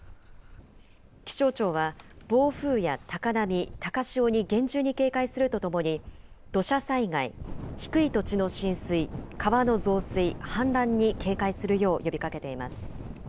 気象庁は暴風や高波、高潮に厳重に警戒するとともに、土砂災害、低い土地の浸水、川の増水、氾濫に警戒するよう呼びかけています。